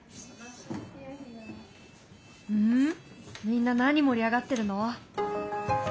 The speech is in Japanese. みんな何盛り上がってるの？